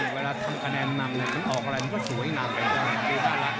เวลาทำคะแนนมันออกอะไรมันก็สวยน้ำ